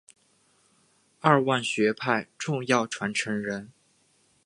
二万学派重要传承人。